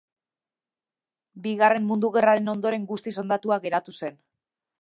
Bigarren Mundu Gerraren ondoren guztiz hondatua geratu zen.